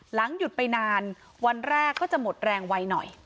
หยุดไปนานวันแรกก็จะหมดแรงไวหน่อย